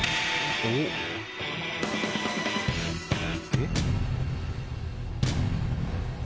えっ？